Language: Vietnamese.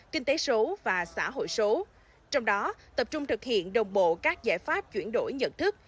kinh tế số và xã hội số trong đó tập trung thực hiện đồng bộ các giải pháp chuyển đổi nhận thức